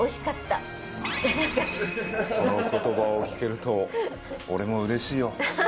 その言葉を聞けると俺もうれしいよ。